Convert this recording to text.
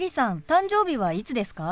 誕生日はいつですか？